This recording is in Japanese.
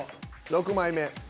６枚目。